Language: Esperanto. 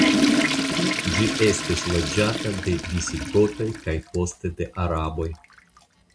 Ĝi estis loĝata de visigotoj kaj poste de araboj.